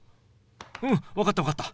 うん分かった分かった。